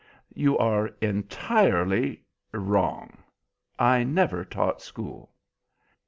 "You are entirely wrong. I never taught school."